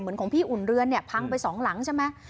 เหมือนของพี่อุ่นเรื้อนพังไป๒หลังใช่ไหม